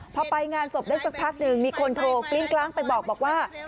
พอไปงานศพได้สักพักหนึ่งมีคนโทรกลิ้งกลางไปบอกว่า